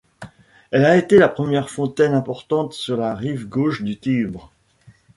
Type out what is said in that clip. Elle a été la première fontaine importante sur la rive gauche du Tibre.